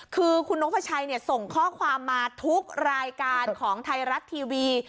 คือคุณนกพระชัยส่งข้อความมาทุกรายการของไทยรัฐทีวี